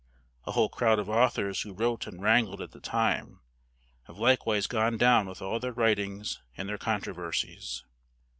A whole crowd of authors who wrote and wrangled at the time, have likewise gone down with all their writings and their controversies.